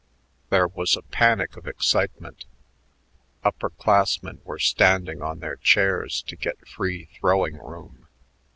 There was a panic of excitement. Upper classmen were standing on their chairs to get free throwing room.